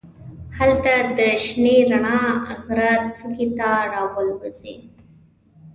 هلته د شنې رڼا غره څوکې ته والوزي.